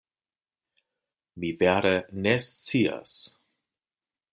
Mi vere ne scias.